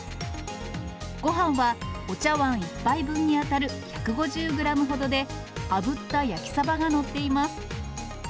ごはんはお茶わん１杯分に当たる１５０グラムほどで、あぶった焼きさばが載っています。